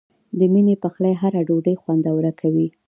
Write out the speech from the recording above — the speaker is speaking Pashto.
د مینې پخلی هره ډوډۍ خوندوره کوي.